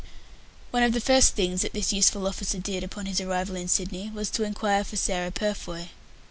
One of the first things that this useful officer did upon his arrival in Sydney was to inquire for Sarah Purfoy.